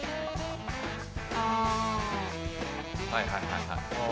はいはいはいはい。